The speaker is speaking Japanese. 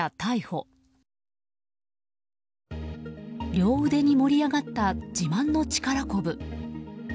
両腕に盛り上がった自慢の力こぶ。